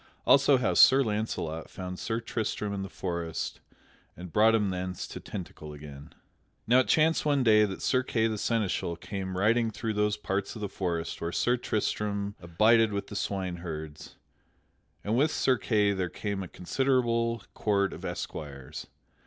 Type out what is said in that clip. Also how Sir Launcelot found Sir Tristram in the forest and brought him thence to Tintagel again._ Now it chanced one day that Sir Kay the Seneschal came riding through those parts of the forest where Sir Tristram abided with the swineherds, and with Sir Kay there came a considerable court of esquires.